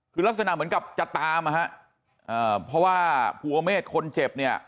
คือลักษณะเหมือนกับจะตามอ่ะฮะอ่าเพราะว่าภูเมฆคนเจ็บเนี่ย